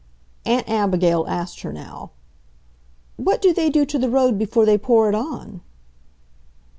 Aunt Abigail asked her now, "What do they do to the road before they pour it on?"